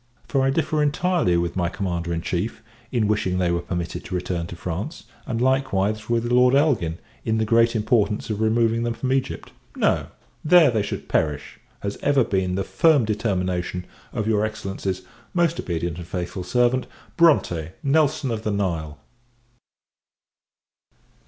For I differ entirely with my Commander in Chief, in wishing they were permitted to return to France; and, likewise, with Lord Elgin, in the great importance of removing them from Egypt. No; there they should perish! has ever been the firm determination of your Excellency's most obedient and faithful servant, BRONTE NELSON OF THE NILE.